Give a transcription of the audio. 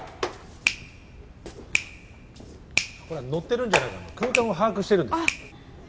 これはノってるんじゃないから空間を把握してるんです